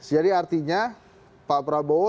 jadi artinya pak prabowo